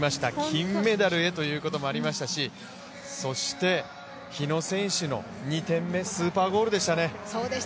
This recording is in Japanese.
金メダルへということもありましたし、そして、日野選手の２点目スーパーゴールでしたね。